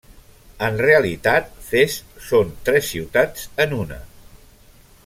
En realitat, Fes són tres ciutats en una.